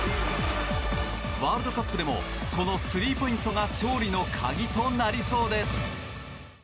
ワールドカップでもこのスリーポイントが勝利の鍵となりそうです。